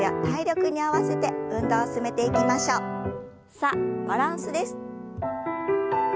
さあバランスです。